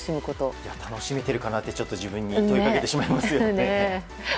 楽しめているかってちょっと自分に問いかけてしまいますよね。